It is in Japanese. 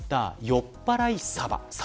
よっぱらいサバ